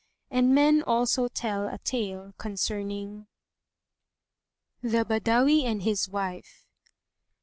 And men also tell a tale concerning THE BADAWI AND HIS WIFE.